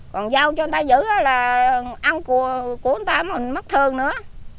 còn giao cho người ta giữ là ăn của người ta mất thương nữa